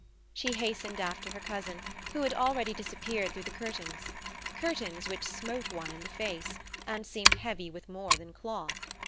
She hastened after her cousin, who had already disappeared through the curtains—curtains which smote one in the face, and seemed heavy with more than cloth.